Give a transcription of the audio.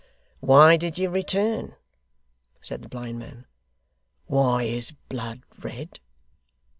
'Why did you return? said the blind man. 'Why is blood red?